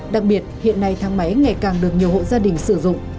đặc biệt hiện nay thang máy ngày càng được nhiều hộ gia đình sử dụng